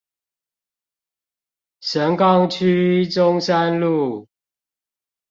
神岡區中山路